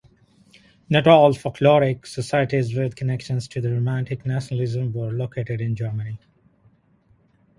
Not all folkloric societies with connections to Romantic nationalism were located in Germany.